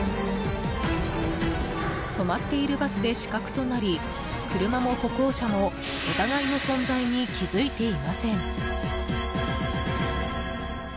停まっているバスで死角となり車も歩行者もお互いの存在に気づいていません。